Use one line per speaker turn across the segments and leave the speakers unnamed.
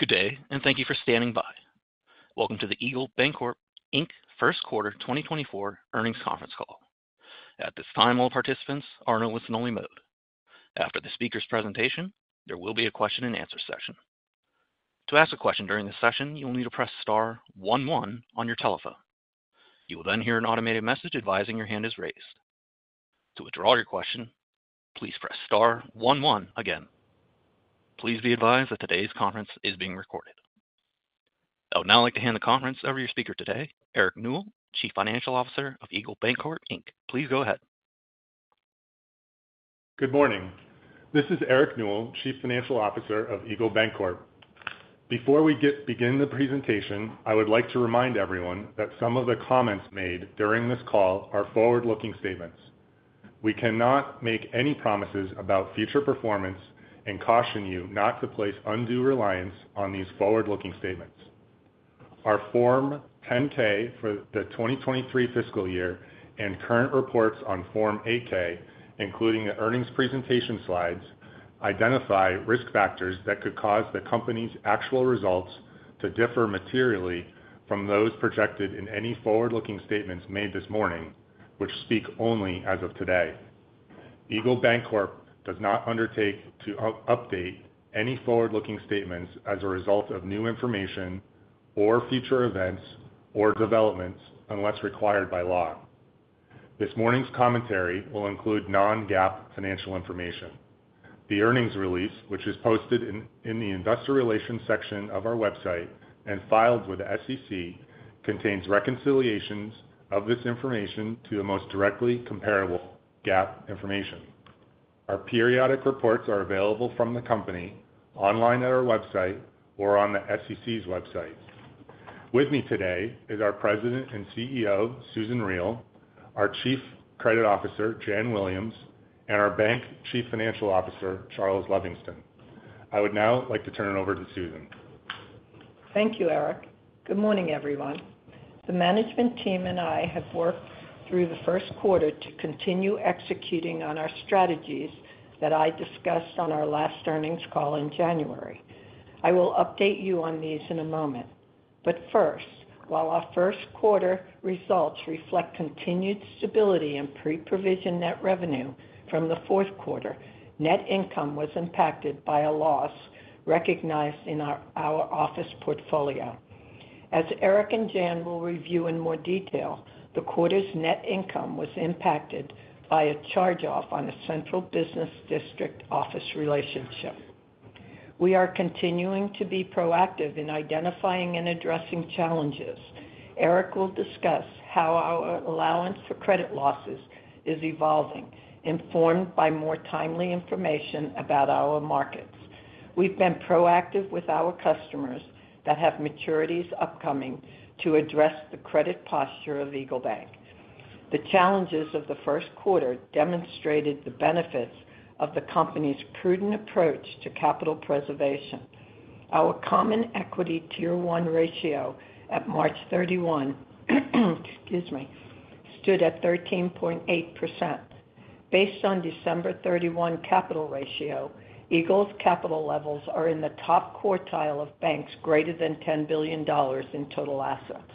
Good day, and thank you for standing by. Welcome to the Eagle Bancorp, Inc. first quarter 2024 earnings conference call. At this time, all participants are in a listen-only mode. After the speaker's presentation, there will be a question-and-answer session. To ask a question during this session, you will need to press star one one on your telephone. You will then hear an automated message advising your hand is raised. To withdraw your question, please press star one one again. Please be advised that today's conference is being recorded. I would now like to hand the conference over to your speaker today, Eric Newell, Chief Financial Officer of Eagle Bancorp, Inc. Please go ahead.
Good morning. This is Eric Newell, Chief Financial Officer of Eagle Bancorp. Before we begin the presentation, I would like to remind everyone that some of the comments made during this call are forward-looking statements. We cannot make any promises about future performance and caution you not to place undue reliance on these forward-looking statements. Our Form 10-K for the 2023 fiscal year and current reports on Form 8-K, including the earnings presentation slides, identify risk factors that could cause the company's actual results to differ materially from those projected in any forward-looking statements made this morning, which speak only as of today. Eagle Bancorp does not undertake to update any forward-looking statements as a result of new information or future events or developments unless required by law. This morning's commentary will include non-GAAP financial information. The earnings release, which is posted in the investor relations section of our website and filed with the SEC, contains reconciliations of this information to the most directly comparable GAAP information. Our periodic reports are available from the company, online at our website or on the SEC's website. With me today is our President and CEO, Susan Riel, our Chief Credit Officer, Jan Williams, and our Bank Chief Financial Officer, Charles Levingston. I would now like to turn it over to Susan.
Thank you, Eric. Good morning, everyone. The management team and I have worked through the first quarter to continue executing on our strategies that I discussed on our last earnings call in January. I will update you on these in a moment. But first, while our first quarter results reflect continued stability in pre-provision net revenue from the fourth quarter, net income was impacted by a loss recognized in our office portfolio. As Eric and Jan will review in more detail, the quarter's net income was impacted by a charge-off on a central business district office relationship. We are continuing to be proactive in identifying and addressing challenges. Eric will discuss how our allowance for credit losses is evolving, informed by more timely information about our markets. We've been proactive with our customers that have maturities upcoming to address the credit posture of EagleBank. The challenges of the first quarter demonstrated the benefits of the company's prudent approach to capital preservation. Our Common Equity Tier 1 ratio at March 31, excuse me, stood at 13.8%. Based on December 31 capital ratio, Eagle's capital levels are in the top quartile of banks greater than $10 billion in total assets.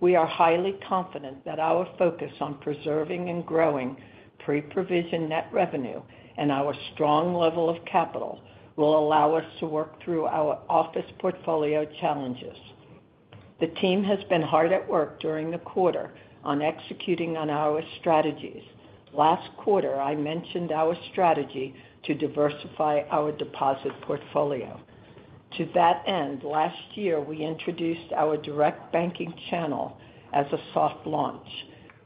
We are highly confident that our focus on preserving and growing pre-provision net revenue and our strong level of capital will allow us to work through our office portfolio challenges. The team has been hard at work during the quarter on executing on our strategies. Last quarter, I mentioned our strategy to diversify our deposit portfolio. To that end, last year, we introduced our Direct Banking channel as a soft launch.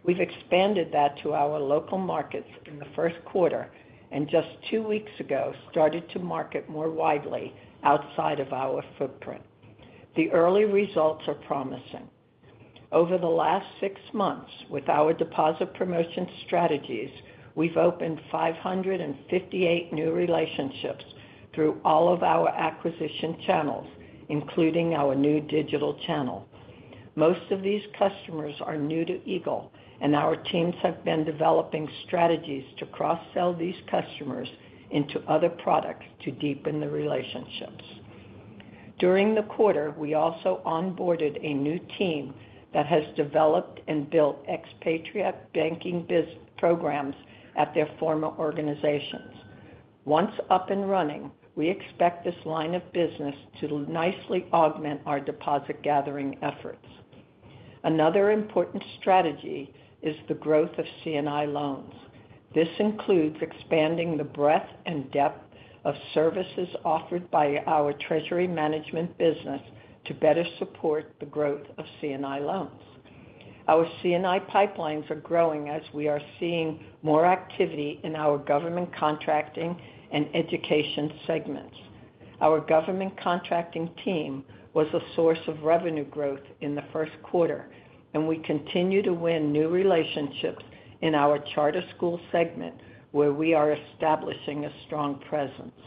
We've expanded that to our local markets in the first quarter, and just two weeks ago, started to market more widely outside of our footprint. The early results are promising. Over the last six months, with our deposit promotion strategies, we've opened 558 new relationships through all of our acquisition channels, including our new digital channel. Most of these customers are new to Eagle, and our teams have been developing strategies to cross-sell these customers into other products to deepen the relationships. During the quarter, we also onboarded a new team that has developed and built expatriate banking business programs at their former organizations. Once up and running, we expect this line of business to nicely augment our deposit gathering efforts. Another important strategy is the growth of C&I loans. This includes expanding the breadth and depth of services offered by our treasury management business to better support the growth of C&I loans. Our C&I pipelines are growing as we are seeing more activity in our government contracting and education segments. Our government contracting team was a source of revenue growth in the first quarter, and we continue to win new relationships in our charter school segment, where we are establishing a strong presence.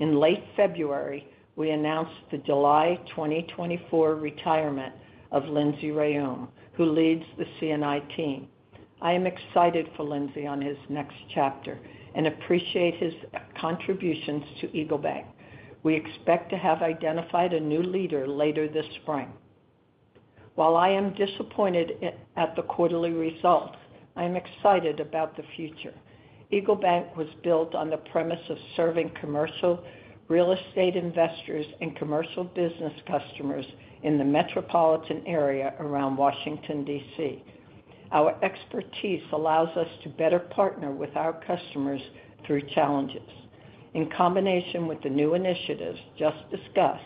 In late February, we announced the July 2024 retirement of Lindsey Rheaume, who leads the C&I team. I am excited for Lindsey on his next chapter and appreciate his contributions to EagleBank. We expect to have identified a new leader later this spring. While I am disappointed at the quarterly results, I am excited about the future. EagleBank was built on the premise of serving commercial real estate investors and commercial business customers in the metropolitan area around Washington, D.C. Our expertise allows us to better partner with our customers through challenges. In combination with the new initiatives just discussed,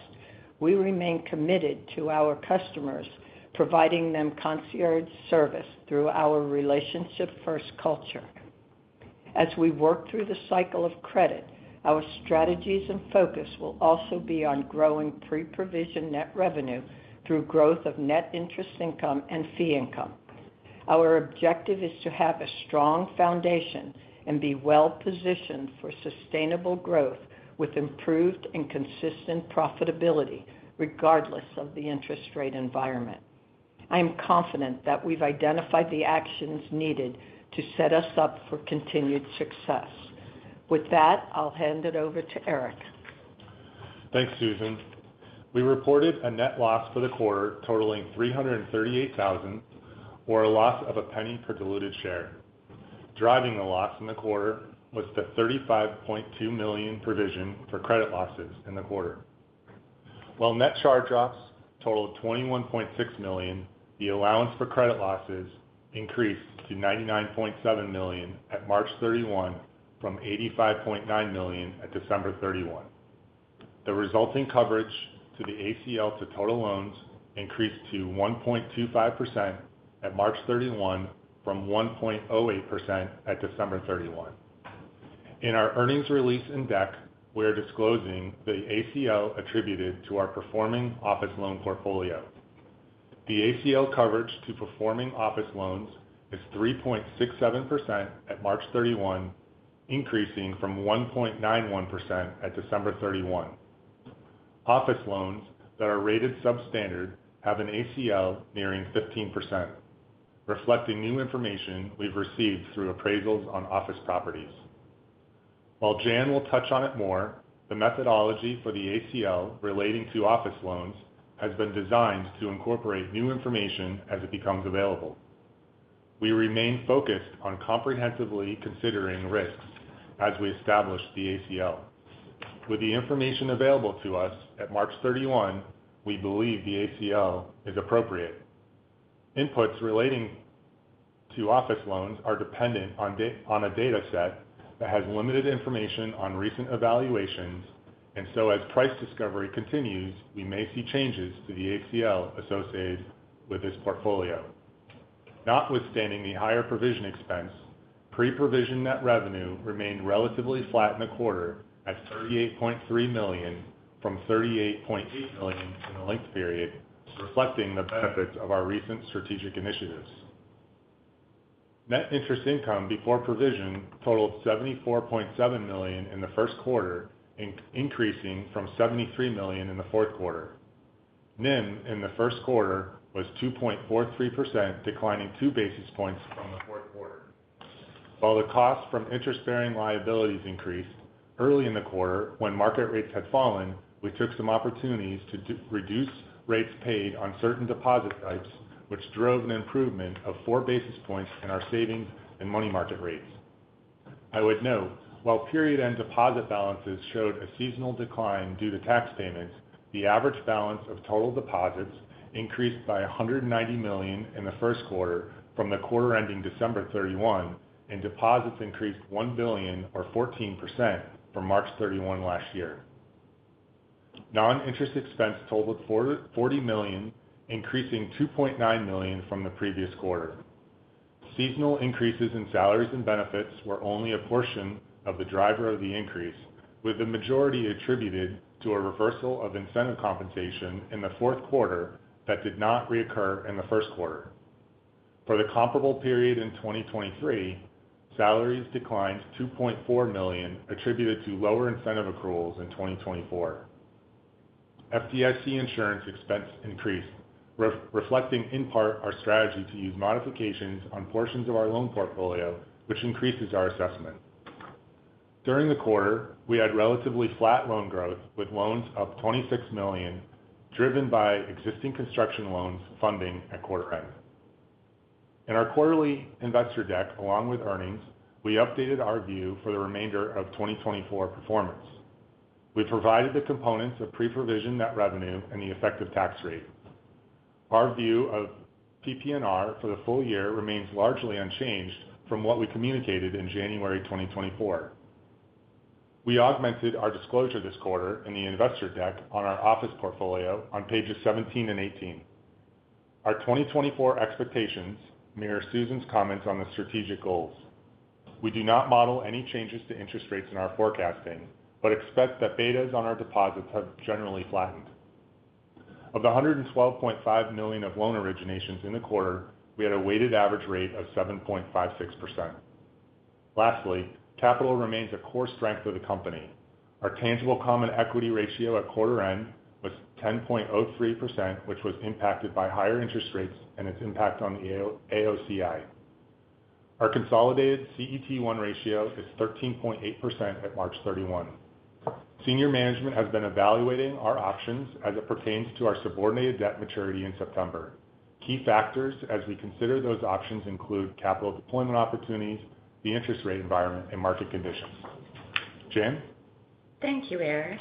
we remain committed to our customers, providing them concierge service through our relationship-first culture. As we work through the cycle of credit, our strategies and focus will also be on growing pre-provision net revenue through growth of net interest income and fee income. Our objective is to have a strong foundation and be well-positioned for sustainable growth with improved and consistent profitability, regardless of the interest rate environment. I am confident that we've identified the actions needed to set us up for continued success. With that, I'll hand it over to Eric.
Thanks, Susan. We reported a net loss for the quarter totaling $338,000, or a loss of $0.01 per diluted share. Driving the loss in the quarter was the $35.2 million provision for credit losses in the quarter. While net charge-offs totaled $21.6 million, the allowance for credit losses increased to $99.7 million at March 31 from $85.9 million at December 31. The resulting coverage to the ACL to total loans increased to 1.25% at March 31 from 1.08% at December 31. In our earnings release and deck, we are disclosing the ACL attributed to our performing office loan portfolio. The ACL coverage to performing office loans is 3.67% at March 31, increasing from 1.91% at December 31. Office loans that are rated substandard have an ACL nearing 15%, reflecting new information we've received through appraisals on office properties. While Jan will touch on it more, the methodology for the ACL relating to office loans has been designed to incorporate new information as it becomes available. We remain focused on comprehensively considering risks as we establish the ACL. With the information available to us at March 31, we believe the ACL is appropriate. Inputs relating to office loans are dependent on a data set that has limited information on recent evaluations, and so as price discovery continues, we may see changes to the ACL associated with this portfolio. Notwithstanding the higher provision expense, pre-provision net revenue remained relatively flat in the quarter at $38.3 million from $38.8 million in the linked period, reflecting the benefits of our recent strategic initiatives. Net interest income before provision totaled $74.7 million in the first quarter, increasing from $73 million in the fourth quarter. NIM in the first quarter was 2.43%, declining 2 basis points from the fourth quarter. While the cost from interest-bearing liabilities increased, early in the quarter, when market rates had fallen, we took some opportunities to reduce rates paid on certain deposit types, which drove an improvement of 4 basis points in our savings and money market rates. I would note, while period-end deposit balances showed a seasonal decline due to tax payments, the average balance of total deposits increased by $190 million in the first quarter from the quarter ending December 31, and deposits increased $1 billion or 14% from March 31 last year. Non-interest expense totaled $40 million, increasing $2.9 million from the previous quarter. Seasonal increases in salaries and benefits were only a portion of the driver of the increase, with the majority attributed to a reversal of incentive compensation in the fourth quarter that did not reoccur in the first quarter. For the comparable period in 2023, salaries declined to $2.4 million, attributed to lower incentive accruals in 2024. FDIC insurance expense increased, reflecting, in part, our strategy to use modifications on portions of our loan portfolio, which increases our assessment. During the quarter, we had relatively flat loan growth, with loans up $26 million, driven by existing construction loans funding at quarter end. In our quarterly investor deck, along with earnings, we updated our view for the remainder of 2024 performance. We provided the components of pre-provision net revenue and the effective tax rate. Our view of PPNR for the full-year remains largely unchanged from what we communicated in January 2024. We augmented our disclosure this quarter in the investor deck on our office portfolio on pages 17 and 18. Our 2024 expectations mirror Susan's comments on the strategic goals. We do not model any changes to interest rates in our forecasting, but expect that betas on our deposits have generally flattened. Of the $112.5 million of loan originations in the quarter, we had a weighted average rate of 7.56%.... lastly, capital remains a core strength of the company. Our tangible common equity ratio at quarter end was 10.03%, which was impacted by higher interest rates and its impact on the AOCI. Our consolidated CET1 ratio is 13.8% at March 31. Senior management has been evaluating our options as it pertains to our subordinated debt maturity in September. Key factors as we consider those options include capital deployment opportunities, the interest rate environment, and market conditions. Jan?
Thank you, Eric.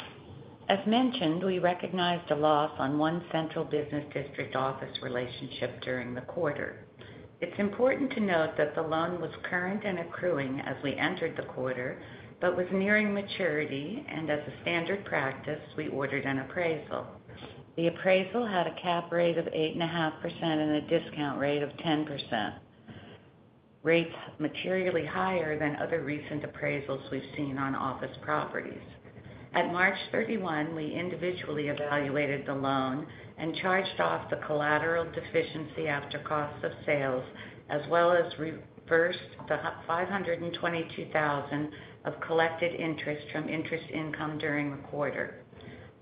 As mentioned, we recognized a loss on one Central Business District office relationship during the quarter. It's important to note that the loan was current and accruing as we entered the quarter, but was nearing maturity, and as a standard practice, we ordered an appraisal. The appraisal had a Cap Rate of 8.5% and a Discount Rate of 10%. Rates materially higher than other recent appraisals we've seen on office properties. At March 31, we individually evaluated the loan and charged off the collateral deficiency after costs of sales, as well as reversed the $522,000 of collected interest from interest income during the quarter.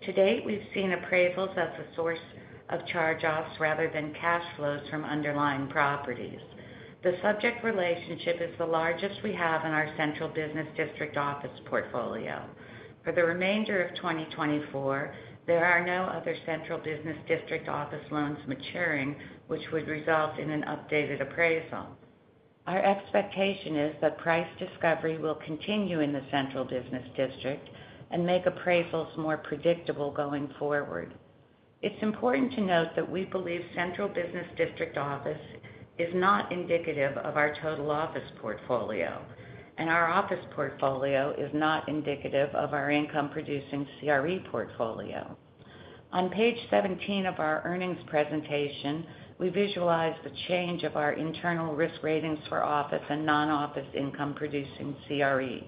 To date, we've seen appraisals as a source of charge-offs rather than cash flows from underlying properties. The subject relationship is the largest we have in our Central Business District office portfolio. For the remainder of 2024, there are no other central business district office loans maturing, which would result in an updated appraisal. Our expectation is that price discovery will continue in the central business district and make appraisals more predictable going forward. It's important to note that we believe central business district office is not indicative of our total office portfolio, and our office portfolio is not indicative of our income-producing CRE portfolio. On page 17 of our earnings presentation, we visualize the change of our internal risk ratings for office and non-office income-producing CRE.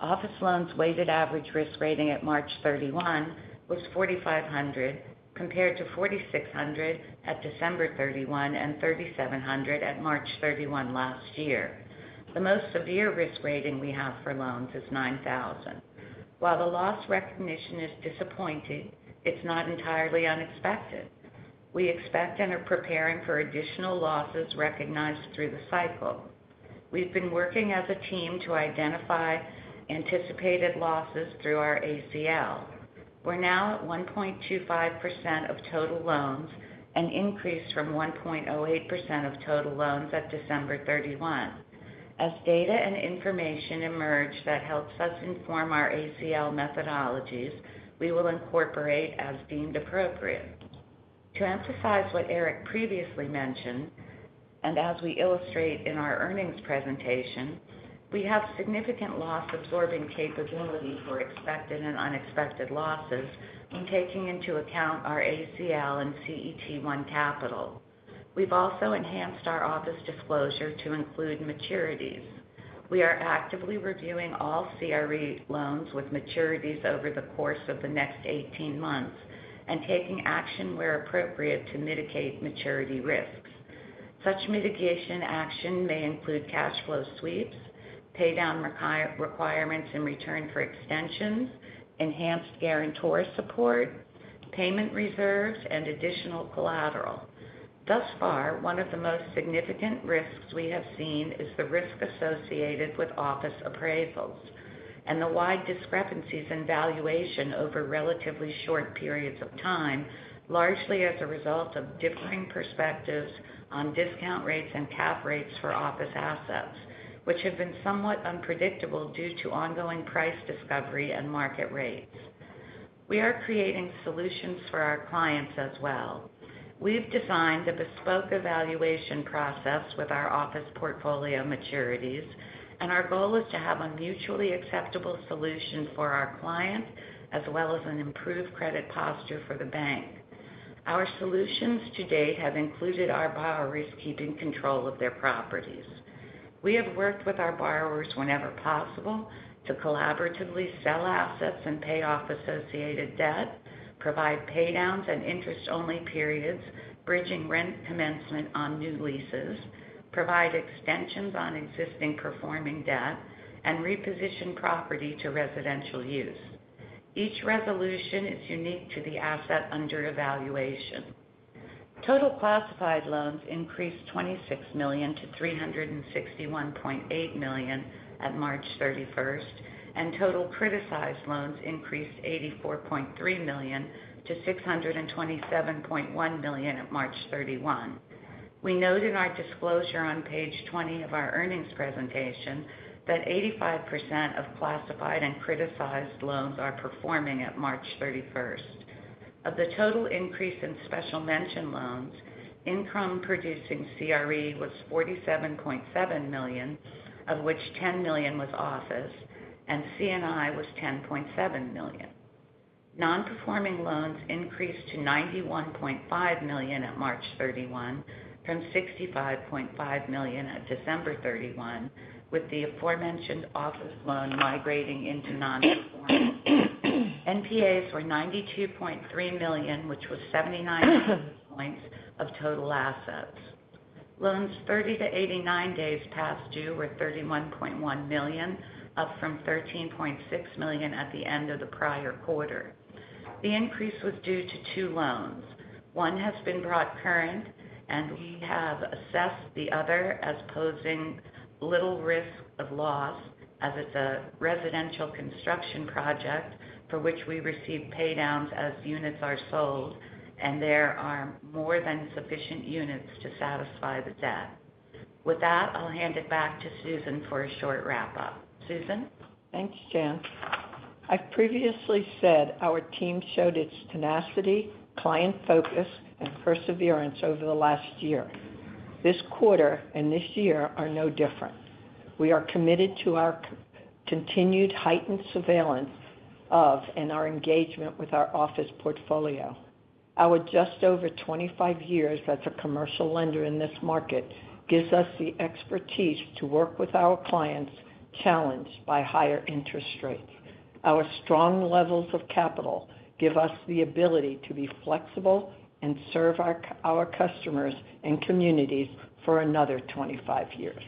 Office loans' weighted average risk rating at March 31 was 4,500, compared to 4,600 at December 31 and 3,700 at March 31 last year. The most severe risk rating we have for loans is 9,000. While the loss recognition is disappointing, it's not entirely unexpected. We expect and are preparing for additional losses recognized through the cycle. We've been working as a team to identify anticipated losses through our ACL. We're now at 1.25% of total loans, an increase from 1.08% of total loans at December 31. As data and information emerge that helps us inform our ACL methodologies, we will incorporate as deemed appropriate. To emphasize what Eric previously mentioned, and as we illustrate in our earnings presentation, we have significant loss absorbing capability for expected and unexpected losses in taking into account our ACL and CET1 capital. We've also enhanced our office disclosure to include maturities. We are actively reviewing all CRE loans with maturities over the course of the next 18 months and taking action where appropriate to mitigate maturity risks. Such mitigation action may include cash flow sweeps, paydown requirements in return for extensions, enhanced guarantor support, payment reserves, and additional collateral. Thus far, one of the most significant risks we have seen is the risk associated with office appraisals and the wide discrepancies in valuation over relatively short periods of time, largely as a result of differing perspectives on discount rates and cap rates for office assets, which have been somewhat unpredictable due to ongoing price discovery and market rates. We are creating solutions for our clients as well. We've designed a bespoke evaluation process with our office portfolio maturities, and our goal is to have a mutually acceptable solution for our clients, as well as an improved credit posture for the bank. Our solutions to date have included our borrowers keeping control of their properties. We have worked with our borrowers whenever possible, to collaboratively sell assets and pay off associated debt, provide paydowns and interest-only periods, bridging rent commencement on new leases, provide extensions on existing performing debt, and reposition property to residential use. Each resolution is unique to the asset under evaluation. Total classified loans increased $26 to 361.8 million at March 31, and total criticized loans increased $84.3 to 627.1 million at March 31. We note in our disclosure on page 20 of our earnings presentation that 85% of classified and criticized loans are performing at March 31. Of the total increase in special mention loans, income-producing CRE was $47.7 million, of which $10 million was office, and C&I was $10.7 million. Non-performing loans increased to $91.5 million at March 31, from $65.5 million at December 31, with the aforementioned office loan migrating into non-performing. NPAs were $92.3 million, which was 79 basis points of total assets. Loans 30-89 days past due were $31.1 million, up from $13.6 million at the end of the prior quarter. The increase was due to two loans. One has been brought current, and we have assessed the other as posing little risk of loss, as it's a residential construction project for which we receive paydowns as units are sold, and there are more than sufficient units to satisfy the debt. With that, I'll hand it back to Susan for a short wrap-up. Susan?
Thanks, Jan. I've previously said our team showed its tenacity, client focus, and perseverance over the last year. This quarter and this year are no different. We are committed to our continued heightened surveillance of and our engagement with our office portfolio. Our just over 25 years as a commercial lender in this market gives us the expertise to work with our clients challenged by higher interest rates. Our strong levels of capital give us the ability to be flexible and serve our customers and communities for another 25 years.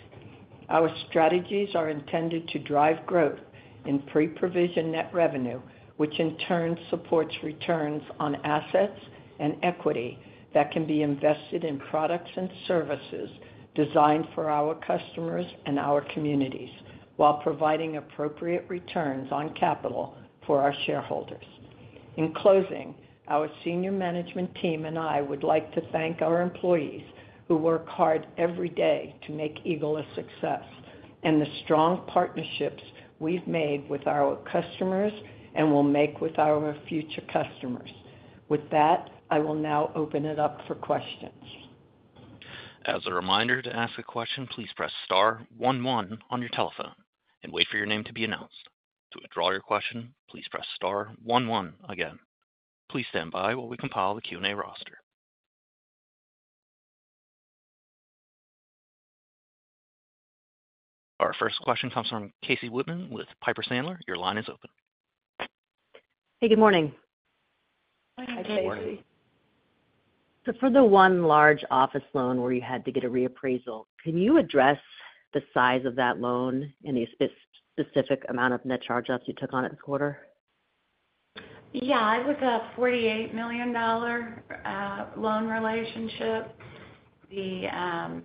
Our strategies are intended to drive growth in pre-provision net revenue, which in turn supports returns on assets and equity that can be invested in products and services designed for our customers and our communities, while providing appropriate returns on capital for our shareholders. In closing, our senior management team and I would like to thank our employees, who work hard every day to make Eagle a success, and the strong partnerships we've made with our customers and will make with our future customers. With that, I will now open it up for questions.
As a reminder, to ask a question, please press star one, one on your telephone and wait for your name to be announced. To withdraw your question, please press star one, one again. Please stand by while we compile the Q&A roster. Our first question comes from Casey Whitman with Piper Sandler. Your line is open.
Hey, good morning.
Hi, Casey.
Good morning.
So for the one large office loan where you had to get a reappraisal, can you address the size of that loan and the specific amount of net charge-offs you took on it this quarter?
Yeah, it was a $48 million loan relationship. The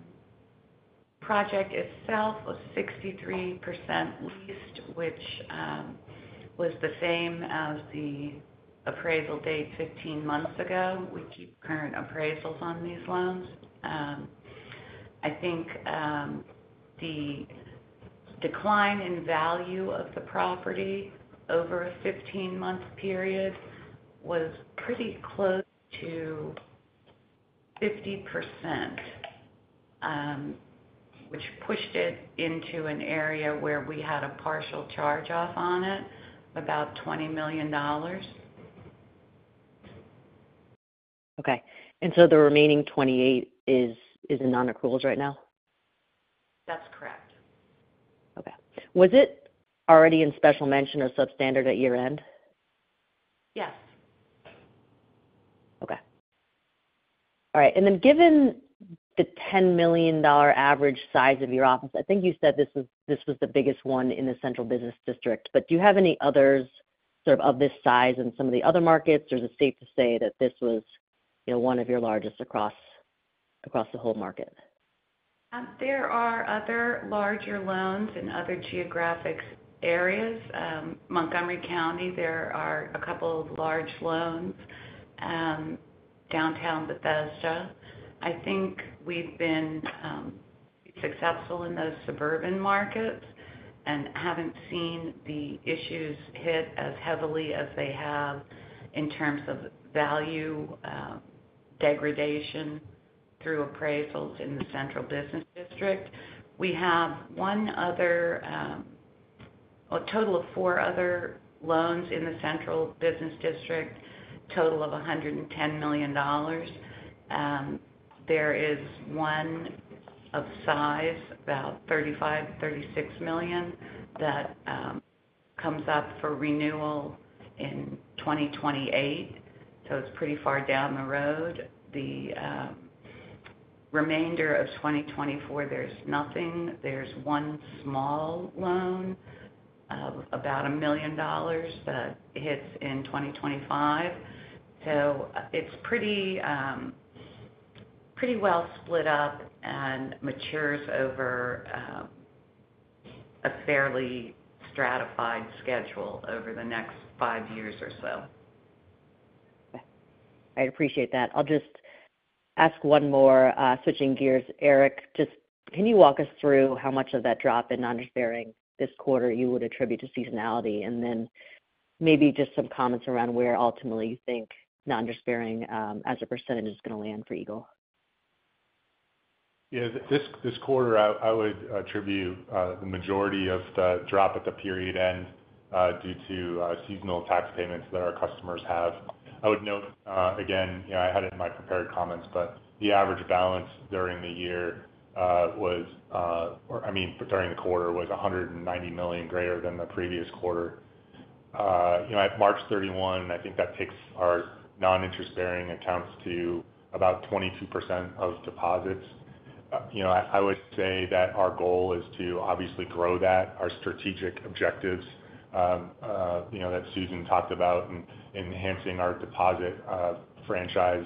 project itself was 63% leased, which was the same as the appraisal date 15 months ago. We keep current appraisals on these loans. I think the decline in value of the property over a 15-month period was pretty close to 50%, which pushed it into an area where we had a partial charge-off on it, about $20 million.
Okay. And so the remaining 28 is in nonaccruals right now?
That's correct.
Okay. Was it already in special mention or substandard at year-end?
Yes.
Okay. All right, and then given the $10 million average size of your office, I think you said this was, this was the biggest one in the central business district. But do you have any others sort of, of this size in some of the other markets, or is it safe to say that this was, you know, one of your largest across, across the whole market?
There are other larger loans in other geographic areas. Montgomery County, there are a couple of large loans, downtown Bethesda. I think we've been successful in those suburban markets and haven't seen the issues hit as heavily as they have in terms of value degradation through appraisals in the central business district. We have one other, a total of four other loans in the central business district, total of $110 million. There is one of size, about $35-36 million, that comes up for renewal in 2028, so it's pretty far down the road. The remainder of 2024, there's nothing. There's one small loan of about $1 million that hits in 2025. It's pretty, pretty well split up and matures over a fairly stratified schedule over the next five years or so.
Okay. I appreciate that. I'll just ask one more, switching gears. Eric, just can you walk us through how much of that drop in non-interest-bearing this quarter you would attribute to seasonality? And then maybe just some comments around where ultimately you think non-interest-bearing, as a percentage, is going to land for Eagle.
Yeah, this quarter, I would attribute the majority of the drop at the period end due to seasonal tax payments that our customers have. I would note again, you know, I had it in my prepared comments, but the average balance during the year was, or I mean, during the quarter, was $190 million greater than the previous quarter. You know, at March 31, I think that takes our non-interest-bearing accounts to about 22% of deposits. You know, I would say that our goal is to obviously grow that. Our strategic objectives, you know, that Susan talked about in enhancing our deposit franchise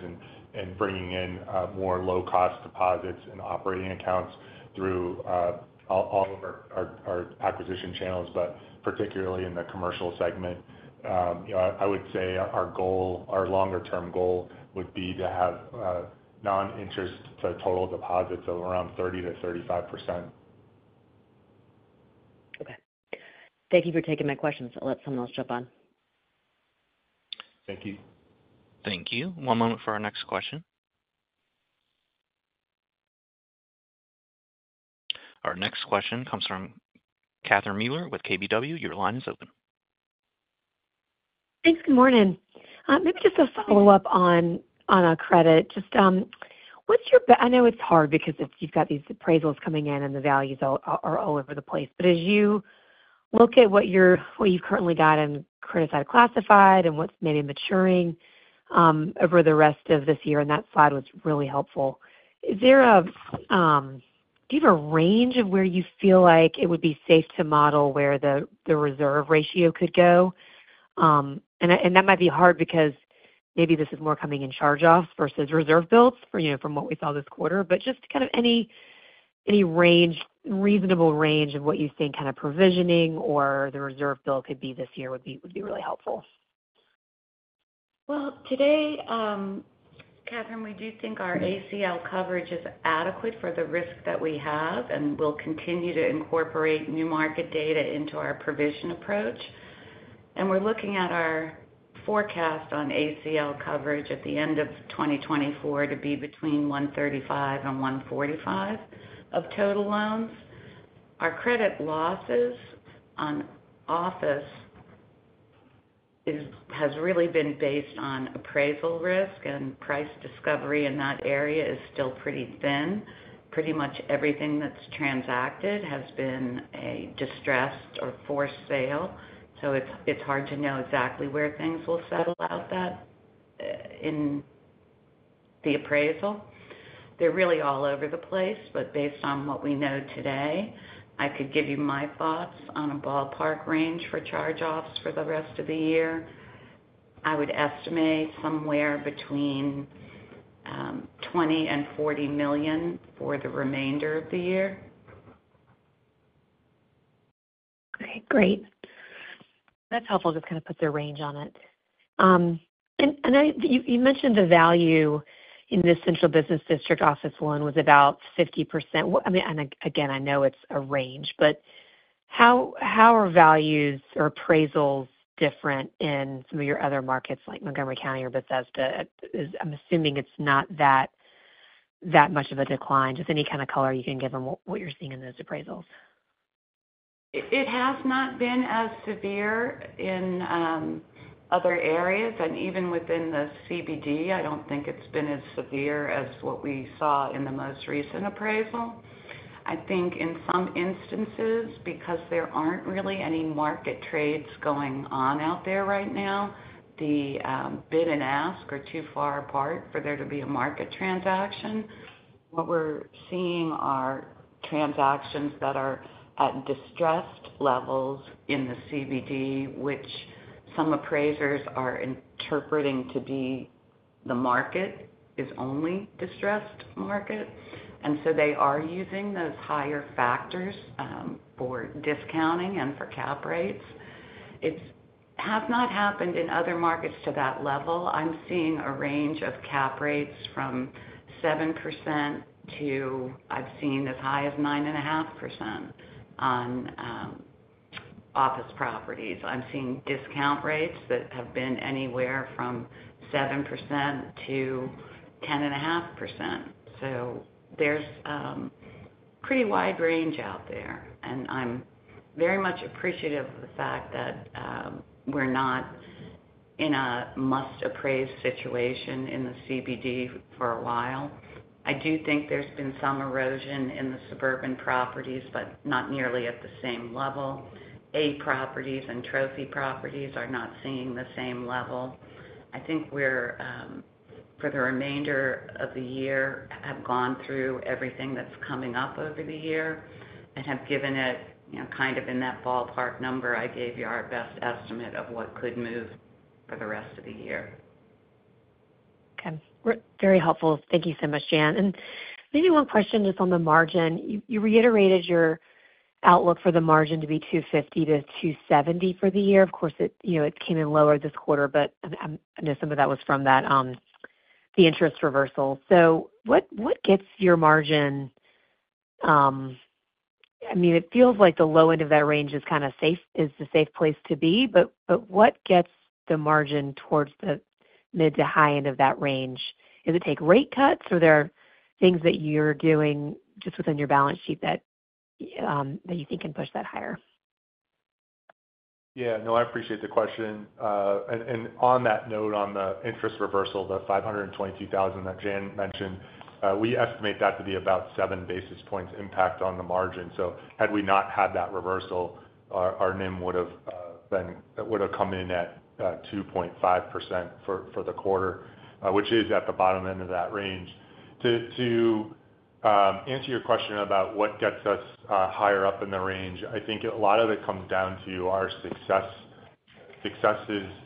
and bringing in more low-cost deposits and operating accounts through all of our acquisition channels, but particularly in the commercial segment. You know, I would say our goal, our longer-term goal would be to have non-interest to total deposits of around 30%-35%.
Okay. Thank you for taking my questions. I'll let someone else jump on.
Thank you.
Thank you. One moment for our next question. Our next question comes from Catherine Mealor with KBW. Your line is open.
Thanks. Good morning. Maybe just a follow-up on, on, credit. Just, what's your-- I know it's hard because it's-- you've got these appraisals coming in, and the values are, are all over the place. But as you look at what you're-- what you've currently got in criticized classified and what's maybe maturing over the rest of this year, and that slide was really helpful. Is there a, do you have a range of where you feel like it would be safe to model where the, the reserve ratio could go? And, and that might be hard because maybe this is more coming in charge-offs versus reserve builds for, you know, from what we saw this quarter. But just kind of any reasonable range of what you think kind of provisioning or the reserve build could be this year would be really helpful.
Well, today, Catherine, we do think our ACL coverage is adequate for the risk that we have, and we'll continue to incorporate new market data into our provision approach. And we're looking at our forecast on ACL coverage at the end of 2024 to be between 1.35 and 1.45 of total loans. Our credit losses on office has really been based on appraisal risk, and price discovery in that area is still pretty thin. Pretty much everything that's transacted has been a distressed or forced sale, so it's hard to know exactly where things will settle out that in the appraisal. They're really all over the place, but based on what we know today, I could give you my thoughts on a ballpark range for charge-offs for the rest of the year. I would estimate somewhere between $20 million and $40 million for the remainder of the year.
Okay, great. That's helpful, just kind of put the range on it. And I—you mentioned the value in the Central Business District office one was about 50%. Well, I mean, and again, I know it's a range, but how are values or appraisals different in some of your other markets, like Montgomery County or Bethesda? I'm assuming it's not that much of a decline. Just any kind of color you can give on what you're seeing in those appraisals.
It has not been as severe in other areas, and even within the CBD, I don't think it's been as severe as what we saw in the most recent appraisal. I think in some instances, because there aren't really any market trades going on out there right now, the bid and ask are too far apart for there to be a market transaction. What we're seeing are transactions that are at distressed levels in the CBD, which some appraisers are interpreting to be the market, is only distressed market. And so they are using those higher factors for discounting and for cap rates. It's have not happened in other markets to that level. I'm seeing a range of cap rates from 7% to I've seen as high as 9.5% on office properties. I'm seeing discount rates that have been anywhere from 7%-10.5%. So there's pretty wide range out there, and I'm very much appreciative of the fact that we're not in a must appraise situation in the CBD for a while. I do think there's been some erosion in the suburban properties, but not nearly at the same level. A properties and trophy properties are not seeing the same level. I think we're, for the remainder of the year, have gone through everything that's coming up over the year and have given it, you know, kind of in that ballpark number I gave you, our best estimate of what could move for the rest of the year.
Okay. We're very helpful. Thank you so much, Jan. Maybe one question just on the margin. You reiterated your outlook for the margin to be 2.50%-2.70% for the year. Of course, it, you know, it came in lower this quarter, but I know some of that was from that the interest reversal. So what gets your margin? I mean, it feels like the low end of that range is kind of safe, is the safe place to be, but what gets the margin towards the mid to high end of that range? Does it take rate cuts, or there are things that you're doing just within your balance sheet that you think can push that higher?
Yeah, no, I appreciate the question. And on that note, on the interest reversal, the $522,000 that Jan mentioned, we estimate that to be about 7 basis points impact on the margin. So had we not had that reversal, our NIM would have then that would have come in at 2.5% for the quarter, which is at the bottom end of that range. To answer your question about what gets us higher up in the range, I think a lot of it comes down to our successes,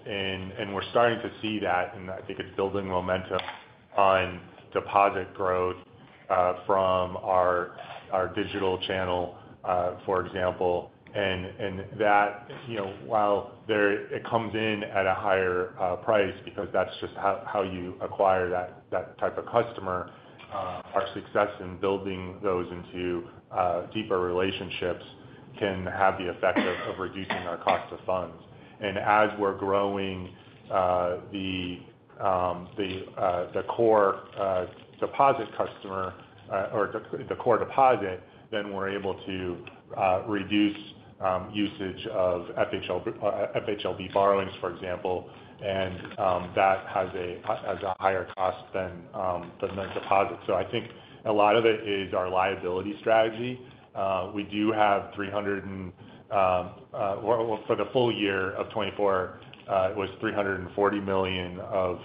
and we're starting to see that, and I think it's building momentum on deposit growth from our digital channel, for example. And that, you know, while it comes in at a higher price, because that's just how you acquire that type of customer, our success in building those into deeper relationships can have the effect of reducing our cost of funds. And as we're growing the core deposit customer or the core deposit, then we're able to reduce usage of FHLB borrowings, for example, and that has a higher cost than the deposit. So I think a lot of it is our liability strategy. Well, for the full year of 2024, it was $340 million of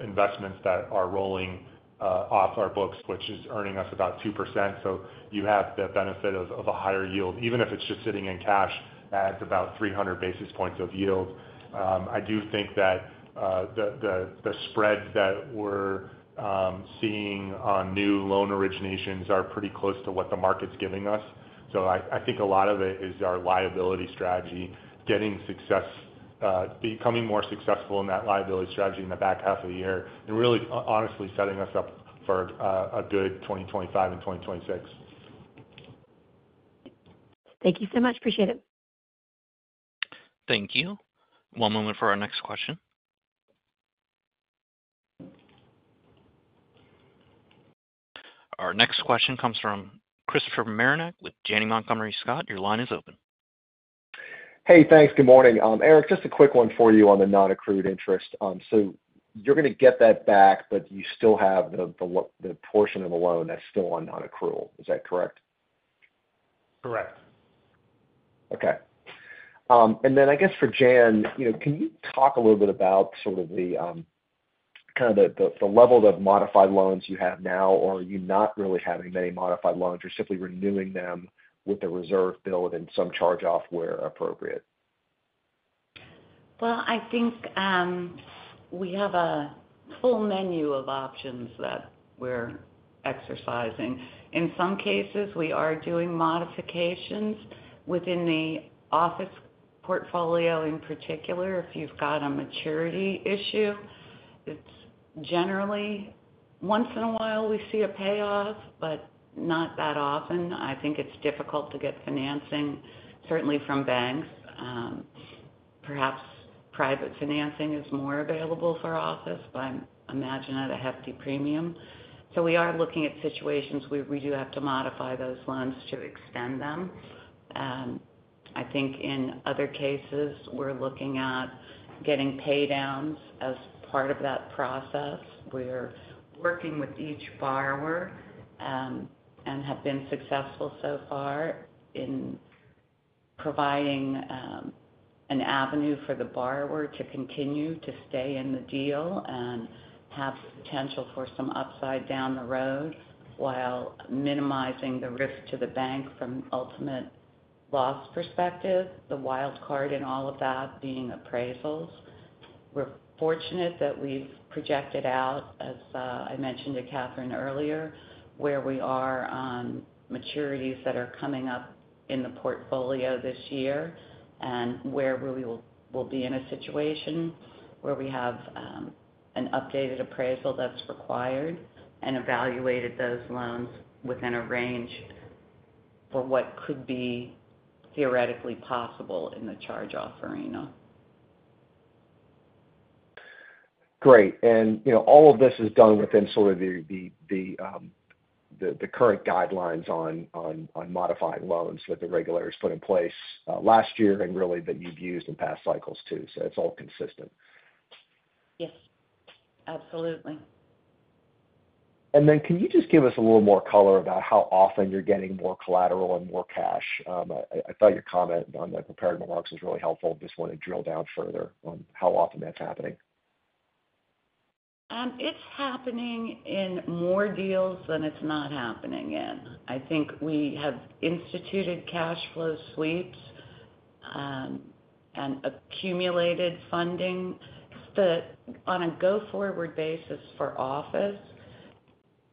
investments that are rolling off our books, which is earning us about 2%. So you have the benefit of a higher yield, even if it's just sitting in cash at about three hundred basis points of yield. I do think that the spreads that we're seeing on new loan originations are pretty close to what the market's giving us. So I think a lot of it is our liability strategy, becoming more successful in that liability strategy in the back half of the year, and really, honestly, setting us up for a good 2025 and 2026.
Thank you so much. Appreciate it. Thank you. One moment for our next question. Our next question comes from Christopher Marinac with Janney Montgomery Scott. Your line is open.
Hey, thanks. Good morning. Eric, just a quick one for you on the non-accrued interest. So you're gonna get that back, but you still have the portion of the loan that's still on non-accrual. Is that correct?
Correct.
Okay. And then I guess for Jan, you know, can you talk a little bit about sort of the kind of level of modified loans you have now? Or are you not really having many modified loans, you're simply renewing them with the reserve build and some charge-off where appropriate?
Well, I think, we have a full menu of options that we're exercising. In some cases, we are doing modifications within the office portfolio. In particular, if you've got a maturity issue, it's generally once in a while we see a payoff, but not that often. I think it's difficult to get financing, certainly from banks. Perhaps private financing is more available for office, but I imagine at a hefty premium. So we are looking at situations where we do have to modify those loans to extend them. I think in other cases, we're looking at getting paydowns as part of that process. We're working with each borrower, and have been successful so far in providing an avenue for the borrower to continue to stay in the deal and have potential for some upside down the road, while minimizing the risk to the bank from ultimate loss perspective, the wild card in all of that being appraisals. We're fortunate that we've projected out, as I mentioned to Catherine earlier, where we are on maturities that are coming up in the portfolio this year, and where we'll be in a situation where we have an updated appraisal that's required and evaluated those loans within a range for what could be theoretically possible in the charge-off arena.
Great. And, you know, all of this is done within sort of the current guidelines on modifying loans that the regulators put in place last year and really that you've used in past cycles too. So it's all consistent.
Yes, absolutely.
Then can you just give us a little more color about how often you're getting more collateral and more cash? I thought your comment on the prepared remarks was really helpful. Just want to drill down further on how often that's happening.
It's happening in more deals than it's not happening in. I think we have instituted cash flow sweeps, and accumulated funding. But on a go-forward basis for office,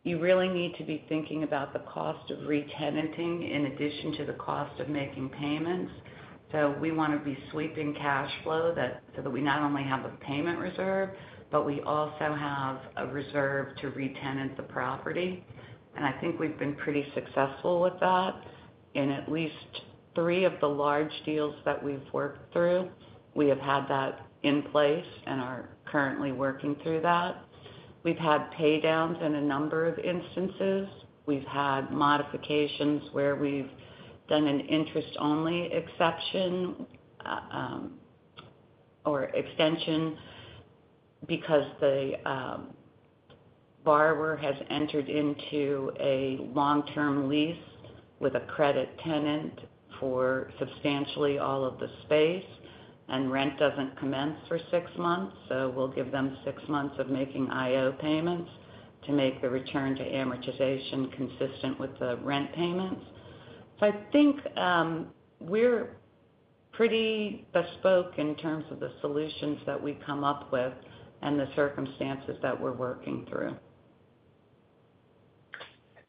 you really need to be thinking about the cost of re-tenanting in addition to the cost of making payments. So we want to be sweeping cash flow so that we not only have a payment reserve, but we also have a reserve to re-tenant the property. And I think we've been pretty successful with that. In at least three of the large deals that we've worked through, we have had that in place and are currently working through that. We've had paydowns in a number of instances. We've had modifications where we've done an interest-only exception, or extension because the... borrower has entered into a long-term lease with a credit tenant for substantially all of the space, and rent doesn't commence for six months, so we'll give them six months of making IO payments to make the return to amortization consistent with the rent payments. So I think, we're pretty bespoke in terms of the solutions that we come up with and the circumstances that we're working through.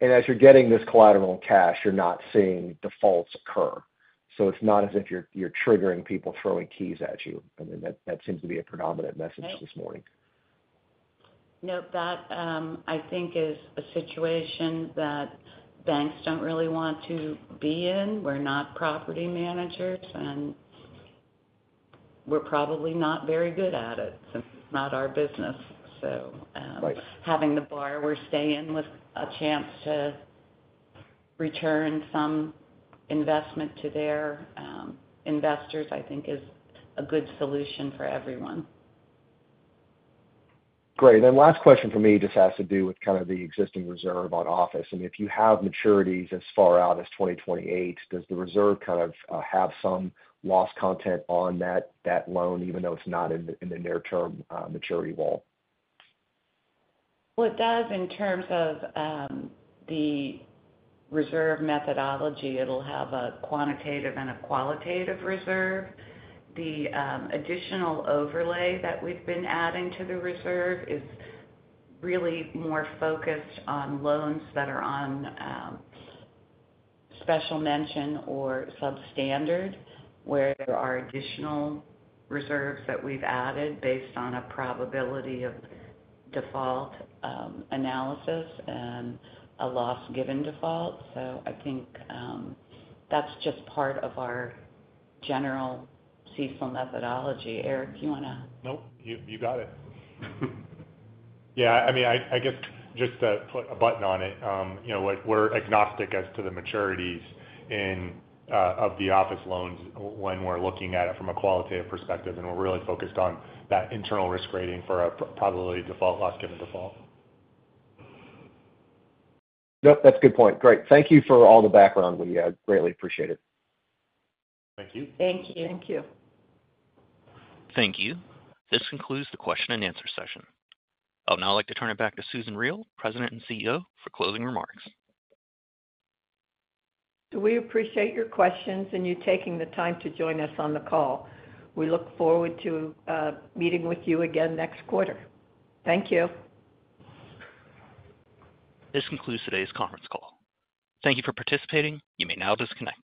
As you're getting this collateral in cash, you're not seeing defaults occur. It's not as if you're triggering people throwing keys at you. I mean, that seems to be a predominant message this morning.
Nope. That, I think is a situation that banks don't really want to be in. We're not property managers, and we're probably not very good at it, since it's not our business. So-
Right.
- having the borrower stay in with a chance to return some investment to their investors, I think is a good solution for everyone.
Great. Then last question for me just has to do with kind of the existing reserve on office. I mean, if you have maturities as far out as 2028, does the reserve kind of have some loss content on that, that loan, even though it's not in the, in the near-term maturity wall?
Well, it does in terms of the reserve methodology. It'll have a quantitative and a qualitative reserve. The additional overlay that we've been adding to the reserve is really more focused on loans that are on special mention or substandard, where there are additional reserves that we've added based on a probability of default analysis and a loss given default. So I think that's just part of our general CECL methodology. Eric, you wanna?
Nope, you got it. Yeah, I mean, I guess just to put a button on it, you know, like, we're agnostic as to the maturities of the office loans when we're looking at it from a qualitative perspective, and we're really focused on that internal risk rating for probability of default, loss given default.
Yep, that's a good point. Great. Thank you for all the background. We greatly appreciate it.
Thank you.
Thank you.
Thank you. Thank you. This concludes the question and answer session. I'd now like to turn it back to Susan Riel, President and CEO, for closing remarks.
We appreciate your questions and you taking the time to join us on the call. We look forward to meeting with you again next quarter. Thank you.
This concludes today's conference call. Thank you for participating. You may now disconnect.